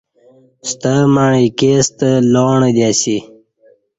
ستہ مع ایکے ستہ لاݨہ دی اسی